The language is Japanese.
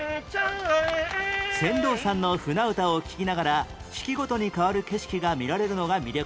船頭さんの舟唄を聴きながら四季ごとに変わる景色が見られるのが魅力